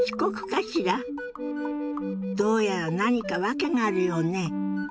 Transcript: どうやら何か訳があるようね。